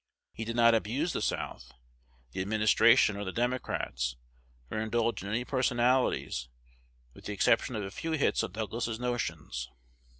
He did not abuse the South, the administration, or the Democrats, or indulge in any personalities, with the exception of a few hits at Douglas's notions.